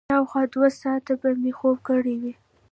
شاوخوا دوه ساعته به مې خوب کړی وي.